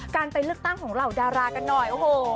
การเป็นลึกตั้งของเหล่าดารากันหน่อย